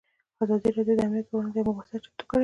ازادي راډیو د امنیت پر وړاندې یوه مباحثه چمتو کړې.